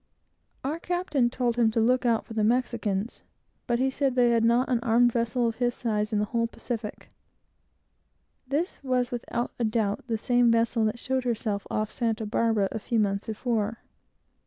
Our captain told him to look out for the Mexicans, but he said they had not an armed vessel of his size in the whole Pacific. This was without doubt the same vessel that showed herself off Santa Barbara a few months before.